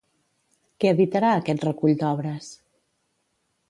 Què editarà aquest recull d'obres?